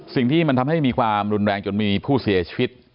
สิ่งที่มันทำให้มีความรุนแรงจนมีผู้เสียชีวิต